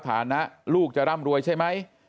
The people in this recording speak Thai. ฐานะลูกจะร่ำรวยใช่ไหม